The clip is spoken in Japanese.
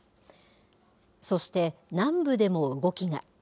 そして南部でも動きが。